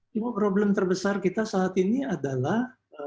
cuma problem terbesar kita saat ini adalah